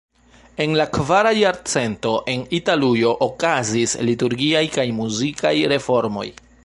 En la kvara jarcento en Italujo okazis liturgiaj kaj muzikaj reformoj.